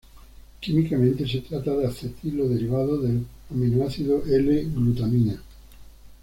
Químicamente, se trata de acetilo derivado del aminoácido L-glutamina.